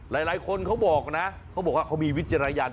หลายคนเขาบอกนะเขาบอกว่าเขามีวิจารณญาณ